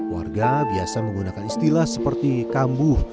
warga biasa menggunakan istilah seperti kambuh